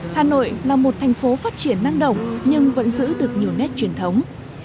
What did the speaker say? hà nội là một thành phố phát triển năng động nhưng vẫn giữ được nhiều nét truyền thống